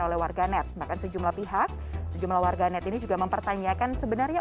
oleh warganet bahkan sejumlah pihak sejumlah warganet ini juga mempertanyakan sebenarnya